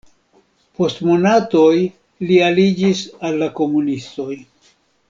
Post monatoj li aliĝis al la komunistoj.